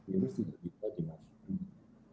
virus tidak bisa dimaksudkan